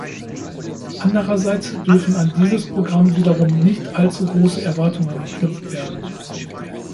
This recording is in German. Andererseits dürfen an dieses Programm wiederum nicht allzu große Erwartungen geknüpft werden.